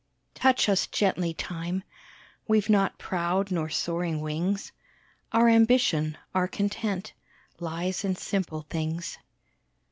Touch us gently, Time! We've not proud nor soaring wings; Our ambition, our content, Lies in simple things.